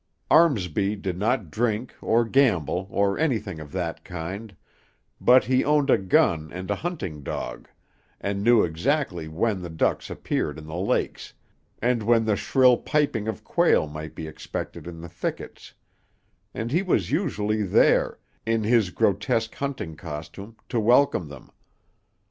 Armsby did not drink, or gamble, or anything of that kind, but he owned a gun and a hunting dog, and knew exactly when the ducks appeared in the lakes, and when the shrill piping of quail might be expected in the thickets; and he was usually there, in his grotesque hunting costume, to welcome them.